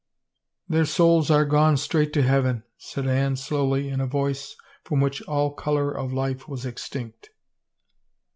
*' Their souls are gone straight to heaven," said Anne slowly in a voice from which all color of life was ex tinct.